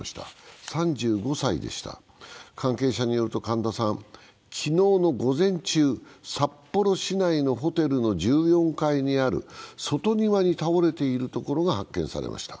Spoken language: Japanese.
関係者によると神田さんは昨日の午前中、札幌市内のホテルの１４階にある外庭に倒れているところが発見されました。